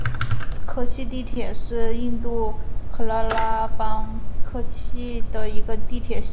科契地铁是印度喀拉拉邦科契的一个地铁系统。